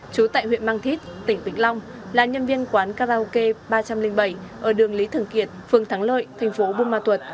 chú tại huyện mang thít tỉnh vĩnh long là nhân viên quán karaoke ba trăm linh bảy ở đường lý thường kiệt phường thắng lợi thành phố buôn ma thuật